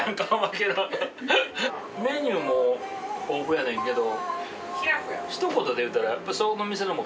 メニューも豊富やねんけど。